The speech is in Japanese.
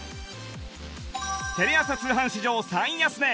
テレ朝通販史上最安値